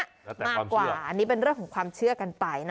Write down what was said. มากกว่าอันนี้เป็นเรื่องของความเชื่อกันไปนะ